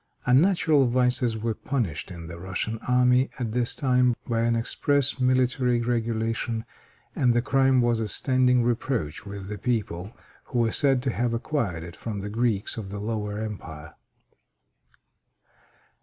Unnatural vices were punished in the Russian army at this time by an express military regulation, and the crime was a standing reproach with the people, who were said to have acquired it from the Greeks of the lower empire.